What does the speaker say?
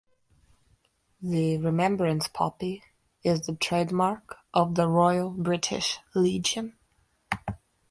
The remembrance poppy is the trademark of The Royal British Legion.